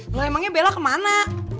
lo emangnya bella kemana